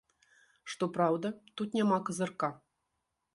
Што праўда, тут няма казырка.